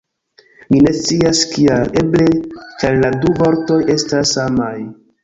Mi ne scias kial. Eble ĉar la du vortoj estas samaj!